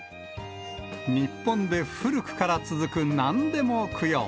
日本で古くから続く何でも供養。